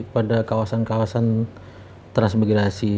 pada kawasan kawasan transmigrasi